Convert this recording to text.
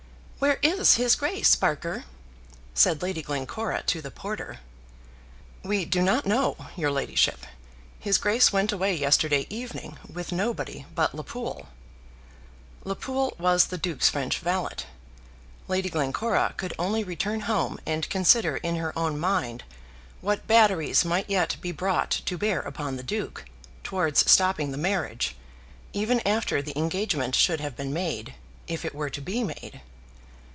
"Where is his Grace, Barker?" said Lady Glencora to the porter. "We do not know, your ladyship. His Grace went away yesterday evening with nobody but Lapoule." Lapoule was the Duke's French valet. Lady Glencora could only return home and consider in her own mind what batteries might yet be brought to bear upon the Duke, towards stopping the marriage, even after the engagement should have been made, if it were to be made.